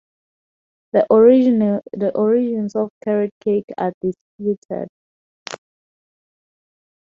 The origins of carrot cake are disputed.